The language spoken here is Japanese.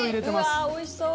うわっおいしそう。